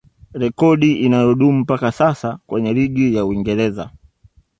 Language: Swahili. Rekodi inayodumu mpaka sasa kwenye ligi ya Uingereza